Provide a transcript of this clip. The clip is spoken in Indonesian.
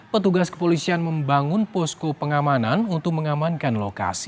petugas kepolisian membangun posko pengamanan untuk mengamankan lokasi